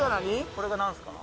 これが何すか？